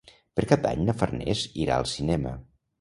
Per Cap d'Any na Farners irà al cinema.